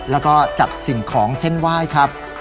แล้วก็จัดสิ่งของเส้นไหว้ครับ